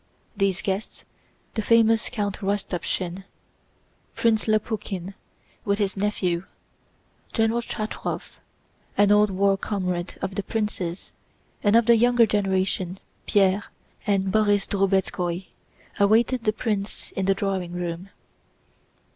These guests—the famous Count Rostopchín, Prince Lopukhín with his nephew, General Chatróv an old war comrade of the prince's, and of the younger generation Pierre and Borís Drubetskóy—awaited the prince in the drawing room.